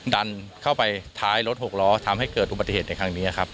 ดันเข้าไปท้ายรถหกล้อทำให้เกิดอุบัติเหตุในครั้งนี้ครับ